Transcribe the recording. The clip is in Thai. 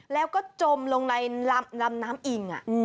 แล้วก็จมลงในลำน้ำอิง